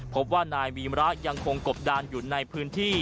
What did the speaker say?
พบว่านายวีมระยังคงกบดานอยู่ในพื้นที่